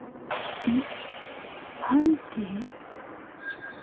ん？パンティ？